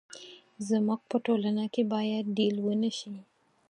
زموږ په ټولنه کې باید ډيل ونه شي.